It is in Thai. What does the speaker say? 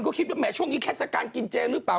ก็คิดว่าแม้ช่วงนี้แค่สักการกินเจงหรือเปล่า